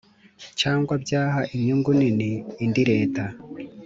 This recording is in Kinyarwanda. cyangwa byaha inyungu nini indi Leta